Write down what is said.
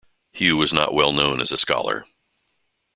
Hugh was not well known as a scholar.